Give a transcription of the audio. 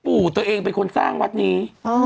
ปู่ตัวเองเป็นคนสร้างวัดนี้